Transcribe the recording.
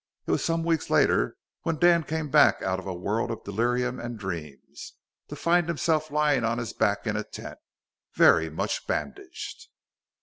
It was some weeks later when Dan came back out of a world of delirium and dreams, to find himself lying on his back in a tent, very much bandaged.